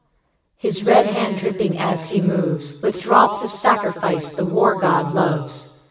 His red hand dripping as he moves With drops of sacrifice the War god loves.